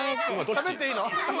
しゃべっていいの？